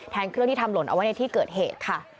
เครื่องที่ทำหล่นเอาไว้ในที่เกิดเหตุค่ะ